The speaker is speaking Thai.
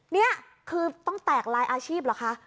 นี่คือต้องแตกลายอาชีพเหรอคะ